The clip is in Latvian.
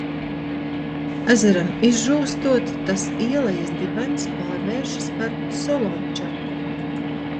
Ezeram izžūstot, tas ielejas dibens pārvēršas par solončaku.